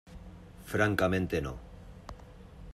francamente no.